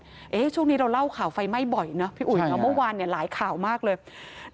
เท่าจังช่วงนี้เราเล่าข่าวไฟไหม้บ่อยนะพี่อุ่นว่าเมื่อวานหลายข่าวมากเลย